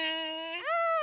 うん！